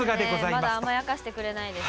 まだ甘やかしてくれないです。